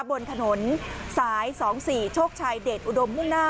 บนถนนสายสองสี่โชคชายเดชอุดมหุ้นหน้า